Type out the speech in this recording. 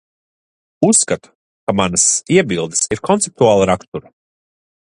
Uzskatu, ka manas iebildes ir konceptuāla rakstura.